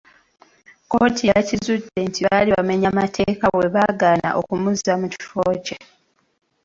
Kkooti yakizudde nti baali baamenya mateeka bwebaagaana okumuzza mu kifo kye.